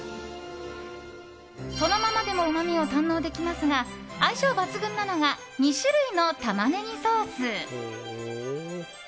そのままでもうまみを堪能できますが相性抜群なのが２種類のタマネギソース。